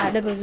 được rồi rồi